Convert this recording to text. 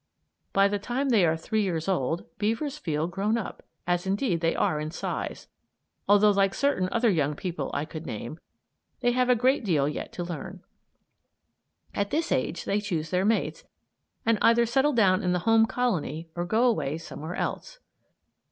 By the time they are three years old beavers feel grown up; as, indeed, they are in size, although, like certain other young people I could name, they have a great deal yet to learn. At this age they choose their mates and either settle down in the home colony or go away somewhere else.